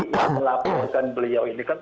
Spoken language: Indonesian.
jadi melaporkan beliau ini kan